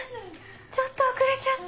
・ちょっと遅れちゃった。